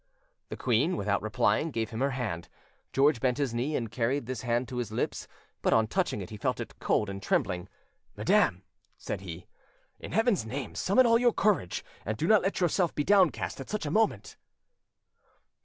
The queen, without replying, gave him her hand. George bent his knee and carried this hand to his lips; but on touching it, he felt it cold and trembling. "Madam," said he, "in Heaven's name summon all your courage, and do not let yourself be downcast at such a moment."